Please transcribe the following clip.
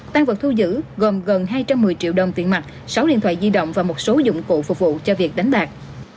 tăng vật thu giữ gồm gần hai trăm một mươi triệu đồng tiền mặt sáu điện thoại di động và một số dụng cụ phục vụ cho việc đánh bạc